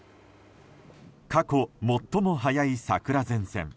過去最も早い桜前線。